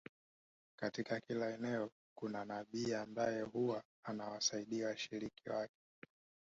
Katika kila eneo kuna nabii ambaye huwa anawasaidia washiriki wake